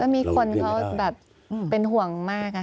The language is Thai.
มีคนเขาแบบเป็นห่วงมาก